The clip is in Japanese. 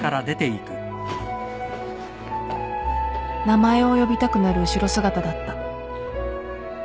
名前を呼びたくなる後ろ姿だった